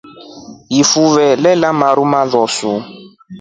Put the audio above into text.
Ifuve lelya maru malosu.